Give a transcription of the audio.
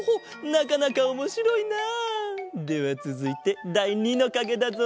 なかなかおもしろいな！ではつづいてだい２のかげだぞ。